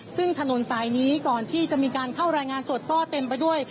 ซึ่งถนนสายนี้ก่อนที่จะมีการเข้ารายงานสดก็เต็มไปด้วย